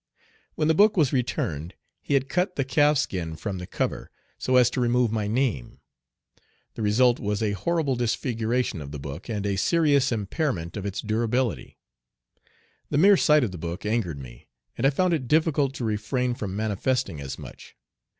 When the book was returned he had cut the calfskin from the cover, so as to remove my name. The result was a horrible disfiguration of the book, and a serious impairment of its durability. The mere sight of the book angered me, and I found it difficult to retrain from manifesting as much.